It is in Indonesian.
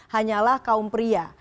hanyalah kaum pria